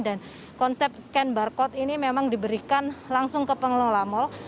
dan konsep scan barcode ini memang diberikan langsung ke pengelola mal